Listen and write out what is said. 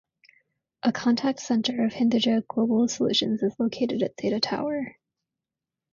A contact center of Hinduja Global Solutions is located at Zeta Tower.